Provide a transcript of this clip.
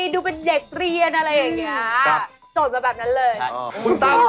ดูเป็นเด็กเรียนอะไรอย่างนี้